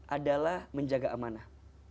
adalah menjaga amanah